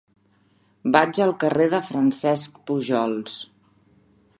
Vaig al carrer de Francesc Pujols.